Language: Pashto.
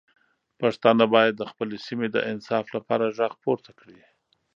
پښتانه باید د خپلې سیمې د انصاف لپاره غږ پورته کړي.